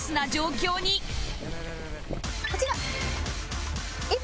こちら。